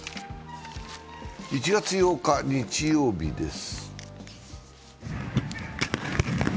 １月８日日曜日です。